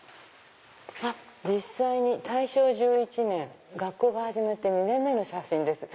あっ「大正１１年学校が始まって２年目の写真です」。